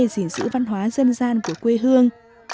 dình sự văn hóa dân gian của quê hương